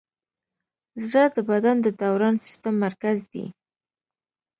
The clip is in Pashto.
زړه د بدن د دوران سیسټم مرکز دی.